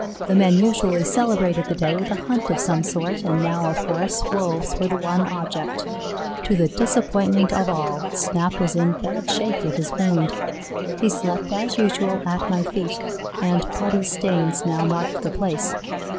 The men usually celebrated the day with a hunt of some sort, and now, of course, Wolves were the one object. To the disappointment of all, Snap was in bad shape with his wound. He slept, as usual, at my feet, and bloody stains now marked the place.